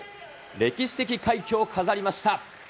歴史的快挙を飾りました。